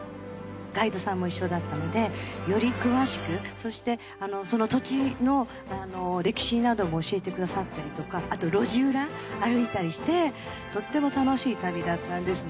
ガイドさんも一緒だったのでより詳しくそしてその土地の歴史なども教えてくださったりとかあと路地裏歩いたりしてとっても楽しい旅だったんですね。